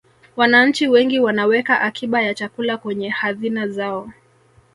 wananchi wengi wanaweka akiba ya chakula kwenye hadhina zao